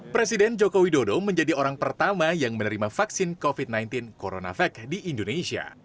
presiden joko widodo menjadi orang pertama yang menerima vaksin covid sembilan belas coronavac di indonesia